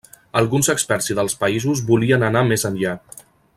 Alguns experts i dels països volien anar més enllà.